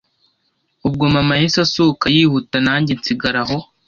ubwo mama yahise asohoka yihuta nanjye nsigara aho